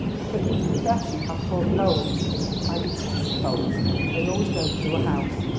"But you confess you have caught cold. I detest colds; they always go through a house.